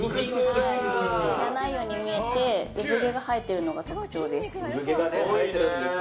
毛がないように見えて産毛が生えてるのが特徴です。